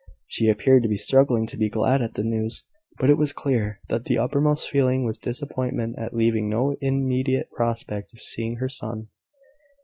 She appeared to be struggling to be glad at the news; but it was clear that the uppermost feeling was disappointment at having no immediate prospect of seeing her son.